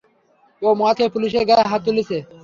ও মদ খেয়ে পুলিশের গায়ে হাত তুলেছে।